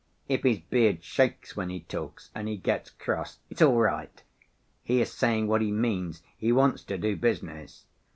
If his beard shakes when he talks and he gets cross, it's all right, he is saying what he means, he wants to do business.